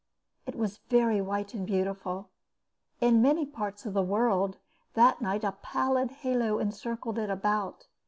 It was very white and beautiful. In many parts of the world that night a pallid halo encircled it about.